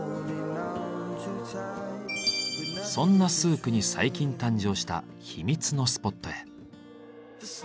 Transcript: そんなスークに最近誕生した秘密のスポットへ。